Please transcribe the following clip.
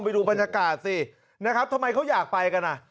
ไปดูบรรยากาศสินะครับทำไมเขาอยากไปกันอ่ะ